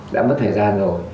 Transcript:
đã mất thời gian rồi